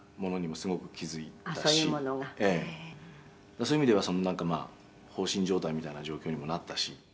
「そういう意味ではなんかまあ放心状態みたいな状況にもなったし」